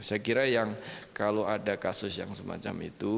saya kira yang kalau ada kasus yang semacam itu